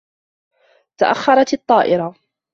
تأخّرت الطّائرة.